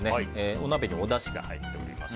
お鍋におだしが入っています。